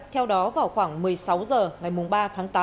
theo đó vào khoảng một mươi sáu h ngày ba tháng tám